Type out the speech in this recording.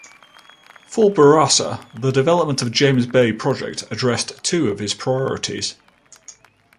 For Bourassa the development of James Bay project addressed two of his priorities.